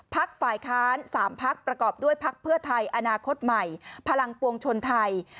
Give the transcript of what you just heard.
ฝ่ายค้าน๓พักประกอบด้วยพักเพื่อไทยอนาคตใหม่พลังปวงชนไทย